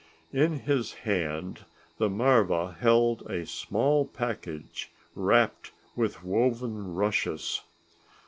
In his hand the marva held a small package wrapped with woven rushes.